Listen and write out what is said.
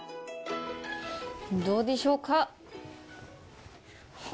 どうでしょうか？